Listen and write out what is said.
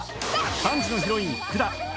３時のヒロイン福田 Ａ